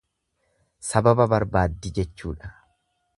Sababa barbaaddi jechuudha.